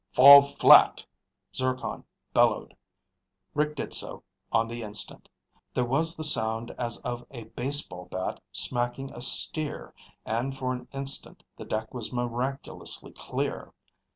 "Fall flat!" Zircon bellowed. Rick did so, on the instant. There was the sound as of a baseball bat smacking a steer and for an instant the deck was miraculously clear.